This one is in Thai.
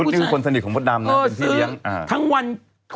ลุดนี้คือคนสนิทของพ่อดำนะอย่างพี่เรียก